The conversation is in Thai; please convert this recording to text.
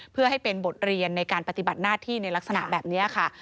เพื่อให้เป็นบทเรียนในการปฏิบัติหน้าที่ในลักษณะแบบนี้ค่ะ